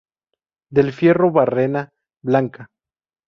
Del Fierro Barrena, Blanca.